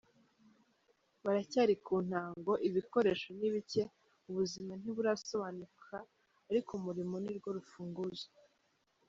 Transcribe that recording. Baracyari ku ntango, ibikoresho ni bicye, ubuzima ntiburasobanuka, ariko umurimo nirwo rufunguzo.